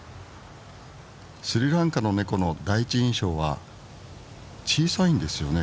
スリランカのネコの第一印象は小さいんですよね